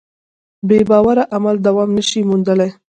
بېباوره عمل دوام نهشي موندلی.